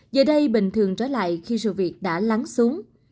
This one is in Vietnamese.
giờ đây bình thường trở lại khi sự việc đã lắng xuống